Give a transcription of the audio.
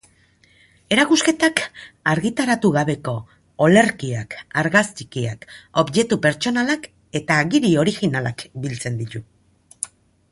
Erakusketak argitaragabeko olerkiak, argazkiak, objektu pertsonalak eta agiri originalak biltzen ditu.